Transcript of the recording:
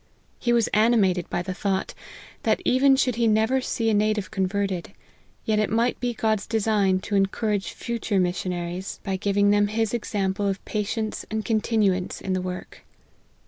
He was animated by the thought, that even should he never see a native converted, yet it might be God's design to encourage future missionaries, G 74 LIFE OF HENRY MARTYX. by giving them his example of patience and con tinuance in the work.